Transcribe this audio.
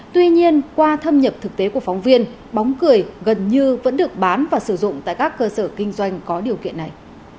tuy nhiên qua thâm nhập thực tế của phóng viên bóng cười gần như vẫn được bán và sử dụng tại các cơ sở kinh doanh có điều kiện này